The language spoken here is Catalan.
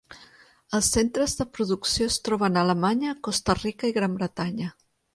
Els centres de producció es troben a Alemanya, Costa Rica i Gran Bretanya.